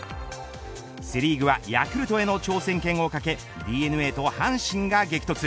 セ・リーグはヤクルトへの挑戦権を懸けＤｅＮＡと阪神が激突。